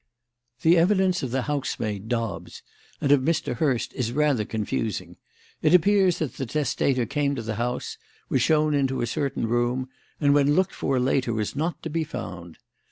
"The evidence of the housemaid, Dobbs, and of Mr. Hurst is rather confusing. It appears that the testator came to the house, was shown into a certain room, and when looked for later was not to be found.